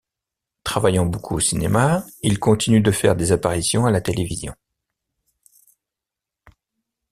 Travaillant beaucoup au cinéma, il continue de faire des apparitions à la télévision.